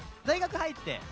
大学入って。